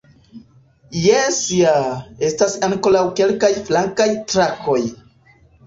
Jes ja, estas ankoraŭ kelkaj flankaj trakoj.